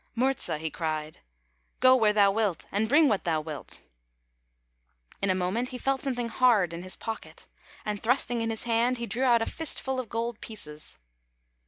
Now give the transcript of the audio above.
" Murza," he cried, " go where thou wilt, and bring what thou wilt." In a moment he felt something hard in his pocket, and thrusting in his hand, he drew out a fist full of gold pieces.